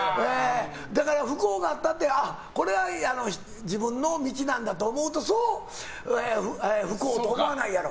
だから、不幸があったってこれは自分の道なんだって思うとそう不幸と思わないやろ。